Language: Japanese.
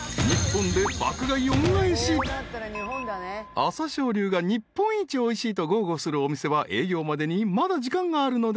［朝青龍が日本一おいしいと豪語するお店は営業までにまだ時間があるので］